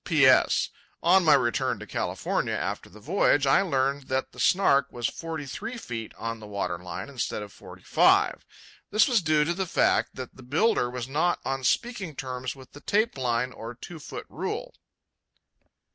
P.S. On my return to California after the voyage, I learned that the Snark was forty three feet on the water line instead of forty five. This was due to the fact that the builder was not on speaking terms with the tape line or two foot rule.